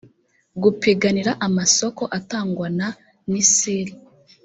gupiganira amasoko atangwa na nisr